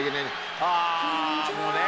ああもうね。